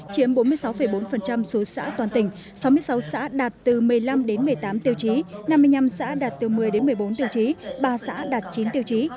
chiếm bốn mươi sáu bốn số xã toàn tỉnh sáu mươi sáu xã đạt từ một mươi năm một mươi tám tiêu chí năm mươi năm xã đạt từ một mươi một mươi bốn tiêu chí ba xã đạt chín tiêu chí